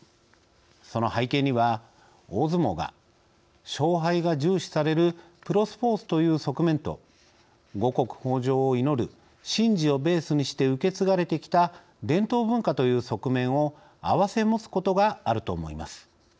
その背景には、大相撲が勝敗が重視されるプロスポーツという側面と五穀豊穣を祈る神事をベースにして受け継がれてきた伝統文化という側面をあわせ持つことがあると思います。